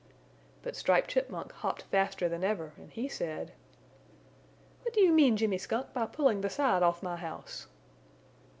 But Striped Chipmunk hopped faster than ever and he said: "What do you mean, Jimmy Skunk, by pulling the side off my house?"